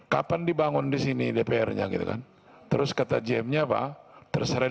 kapan dibangun di sini dpr nya gitu kan terus kata gm nya apa terseret